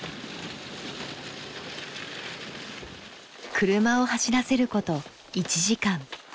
車を走らせること１時間。